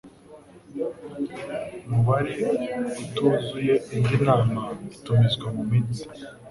mubare utuzuye indi nama itumizwa mu minsi